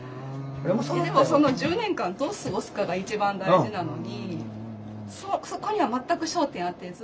その１０年間どう過ごすかが一番大事なのにそこには全く焦点当てず。